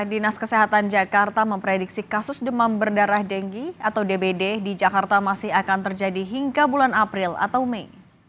dinas kesehatan jakarta memprediksi kasus demam berdarah denggi atau dbd di jakarta masih akan terjadi hingga bulan april atau mei